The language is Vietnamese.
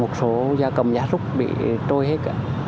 một số gia cầm gia rút bị trôi hết